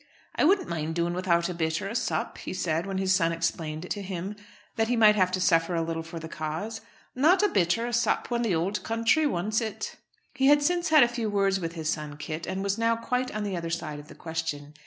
"I wouldn't mind doing without a bit or a sup," he said, when his son explained to him that he might have to suffer a little for the cause. "Not a bit or a sup when the ould counthry wants it." He had since had a few words with his son Kit, and was now quite on the other side of the question.